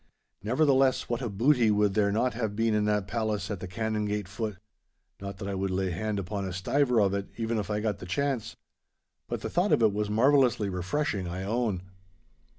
Nevertheless, what a booty would there not have been in that palace at the Canongate foot! Not that I would lay hand upon a stiver of it, even if I got the chance, but the thought of it was marvellously refreshing, I own.